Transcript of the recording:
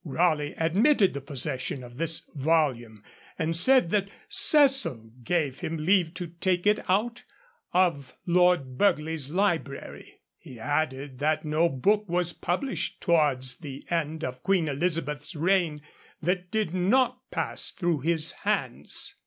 Raleigh admitted the possession of this volume, and said that Cecil gave him leave to take it out of Lord Burghley's library. He added that no book was published towards the end of Queen Elizabeth's reign that did not pass through his hands.